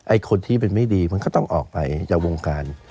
คนที่เป็นไม่ดีมันก็ต้องออกไปจากวงการ